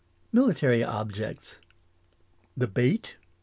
Military objects. The bait.